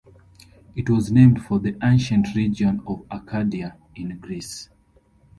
It was named for the ancient region of Arcadia, in Greece.